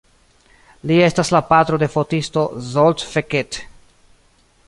Li estas la patro de fotisto Zsolt Fekete.